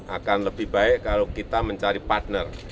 akan lebih baik kalau kita mencari partner